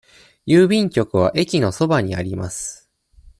郵便局は駅のそばにあります。